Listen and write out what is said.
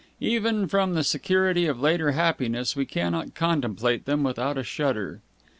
Even from the security of later happiness we cannot contemplate them without a shudder.